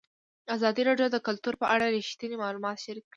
ازادي راډیو د کلتور په اړه رښتیني معلومات شریک کړي.